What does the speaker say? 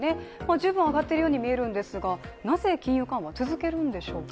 十分上がっているように見えるんですが、なぜ、金融緩和を続けるんでしょうか。